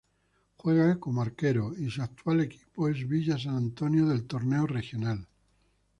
Juega como arquero y su actual equipo es Villa San Antonio del Torneo Regional.